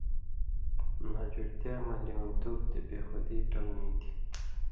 ناجُوڑتیا مہ لېونتُوب تے بےخُودی ٹَل نی تھی